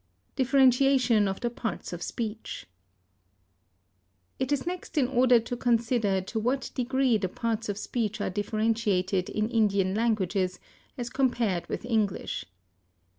DIFFERENTIATION OF THE PARTS OF SPEECH. It is next in order to consider to what degree the parts of speech are differentiated in Indian languages, as compared with English.